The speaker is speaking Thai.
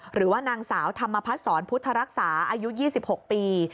หรือว่านางสาวธรรมพัฒนศรพุทธรักษาอายุ๒๖ปี